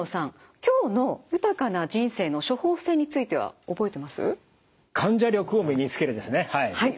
今日の豊かな人生の処方せんについては覚えてます？